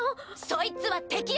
そいつは敵よ！